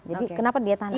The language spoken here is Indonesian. jadi kenapa dia tahan air